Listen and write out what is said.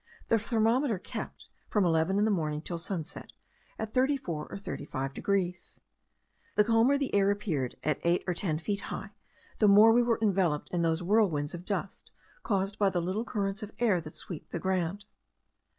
The thermometer kept, from eleven in the morning till sunset, at 34 or 35 degrees. The calmer the air appeared at eight or ten feet high, the more we were enveloped in those whirlwinds of dust, caused by the little currents of air that sweep the ground.